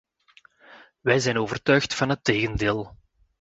Wij zijn overtuigd van het tegendeel.